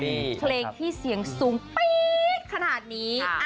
มีเพลงที่เสียงสูงปี๊ดขนาดนี้